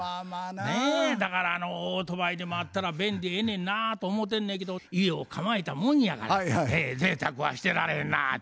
だからオートバイでもあったら便利ええねんなと思うてんねやけど家を構えたもんやからぜいたくはしてられへんなと。